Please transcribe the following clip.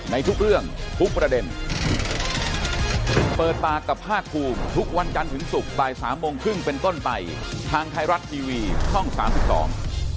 มันถึง๕ตัวที่หนึ่งกันใช่ครับมันก็เป็นความบังเอิญ